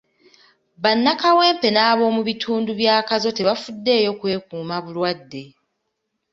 Bannakawempe n'ab'omu bitundu bya Kazo tebafuddeyo kwekuuma bulwadde.